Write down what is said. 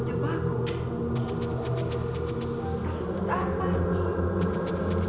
jangan lupa like share dan subscribe ya